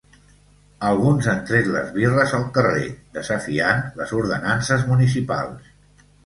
Alguns han tret les birres al carrer, desafiant les ordenances municipals.